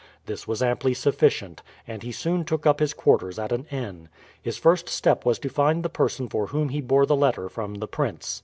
This was amply sufficient, and he soon took up his quarters at an inn. His first step was to find the person for whom he bore the letter from the prince.